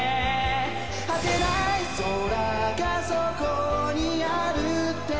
「果てない空がそこにあるって」